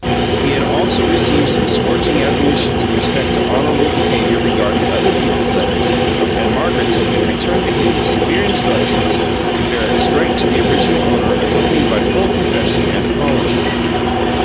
He had also received some scorching admonitions in respect to honourable behaviour regarding other people's letters; and Margaret's had been returned to him with severe instructions to bear it straight to the original owner accompanied by full confession and apology.